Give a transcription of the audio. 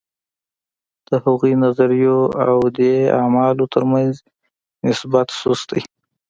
د هغو نظریو او دې اعمالو ترمنځ نسبت سست دی.